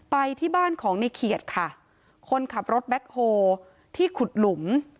ไปที่บ้านของในเขียดค่ะคนขับรถแบ็คโฮที่ขุดหลุม